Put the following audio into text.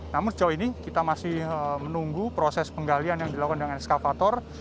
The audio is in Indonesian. namun sejauh ini kita masih menunggu proses penggalian yang dilakukan dengan eskavator